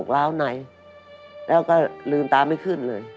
แล้วก็ลืมเตาไม่ขึ้นเลย